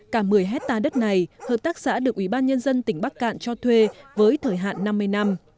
cả một mươi hectare đất này hợp tác xã được ủy ban nhân dân tỉnh bắc cạn cho thuê với thời hạn năm mươi năm